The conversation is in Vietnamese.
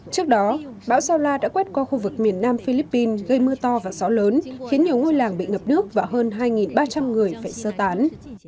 trước đó bão sao la đã quét qua khu vực miền nam philippines gây mưa to và gió lớn khiến nhiều ngôi làng bị ngập nước và hơn hai ba trăm linh người phải sơ tán